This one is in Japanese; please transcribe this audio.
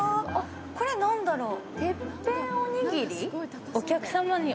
これ、何だろう？